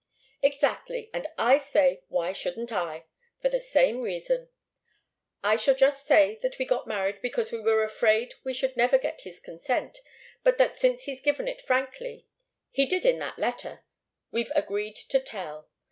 "Exactly. And I say, why shouldn't I? for the same reason. I shall just say that we got married because we were afraid we should never get his consent, but that since he's given it frankly, he did in that letter, we've agreed to tell."